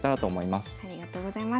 ありがとうございます。